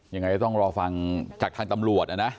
ยังไงก็ต้องรอฟังจากทางตำรวจนะนะ